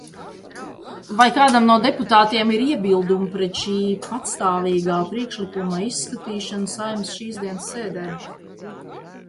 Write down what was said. Vai kādam no deputātiem ir iebildumi pret šī patstāvīgā priekšlikuma izskatīšanu Saeimas šīsdienas sēdē?